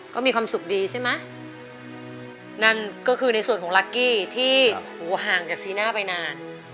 ก็มีความสุขดีใช่ไหมนั่นก็คือในส่วนของลักกี้ที่หูห่างจากซีน่าไปนาน